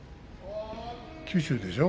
九州でしょう？